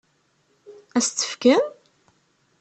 Ad s-tt-fken?